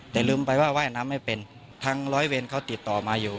แต่ลืมไปว่าว่ายน้ำไม่เป็นทางร้อยเวรเขาติดต่อมาอยู่